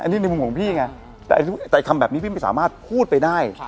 อันนี้ในมุมของพี่ไงแต่คำแบบนี้พี่ไม่สามารถพูดไปได้